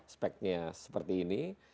speknya seperti ini